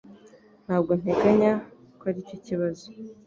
Ntabwo nteganya ko aricyo kibazo.